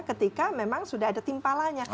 ketika memang sudah ada timpalanya